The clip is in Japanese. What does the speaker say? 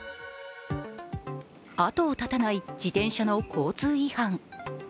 後を絶たない自転車の交通違反。